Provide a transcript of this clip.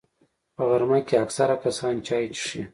په غرمه کې اکثره کسان چای څښي